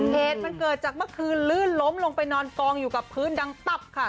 เหตุมันเกิดจากเมื่อคืนลื่นล้มลงไปนอนกองอยู่กับพื้นดังตับค่ะ